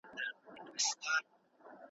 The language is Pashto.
که عدالت نه وي نو ظلم خپريږي.